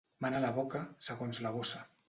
Mana la boca segons la bossa.